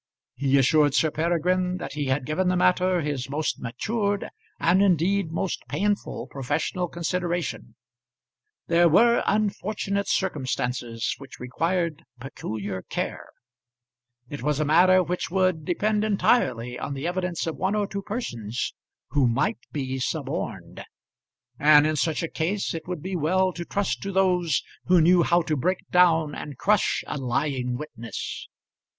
He assured Sir Peregrine that he had given the matter his most matured and indeed most painful professional consideration; there were unfortunate circumstances which required peculiar care; it was a matter which would depend entirely on the evidence of one or two persons who might be suborned; and in such a case it would be well to trust to those who knew how to break down and crush a lying witness.